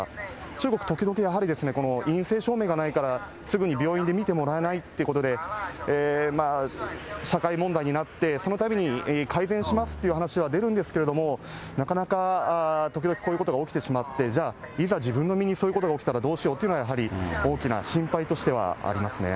中国、時々やはり、陰性証明がないから、すぐに病院で診てもらえないってことで、社会問題になって、そのたびに改善しますっていう話は出るんですけれども、なかなか、時々こういうことが起きてしまって、じゃあ、いざ自分の身にそういうことが起きたらどうしようというのは、やはり大きな心配としてはありますね。